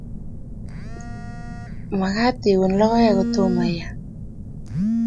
Makat iun lokoek ko toma iam